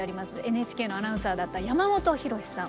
ＮＨＫのアナウンサーだった山本浩さん。